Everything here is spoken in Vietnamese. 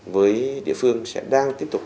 với địa phương sẽ đang tiếp tục